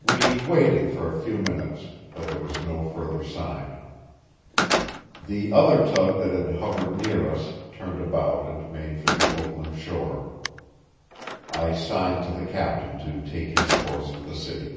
We waited for a few minutes, but there was no further sign. The other tug that had hovered near us turned about and made for the Oakland shore. I signed to the captain to take his course for the city.